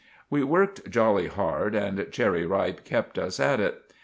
We worked jolly hard, and Cherry Ripe kept us at it.